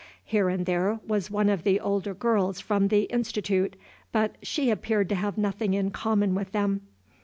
Here and there was one of the older girls from the Institute, but she appeared to have nothing in common with them.